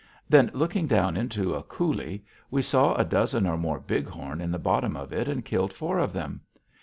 Then, looking down into a coulée, we saw a dozen or more bighorn in the bottom of it and killed four of them.